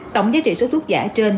tổng giá trị số thuốc giả trên